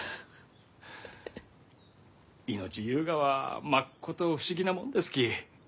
命ゆうがはまっこと不思議なもんですき。